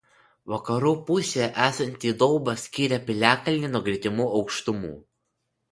Vakarų pusėje esanti dauba skiria piliakalnį nuo gretimų aukštumų.